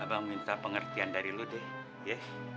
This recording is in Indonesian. abang minta pengertian dari lo deh yeah